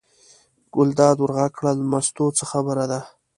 ګلداد ور غږ کړل: مستو څه خبره ده.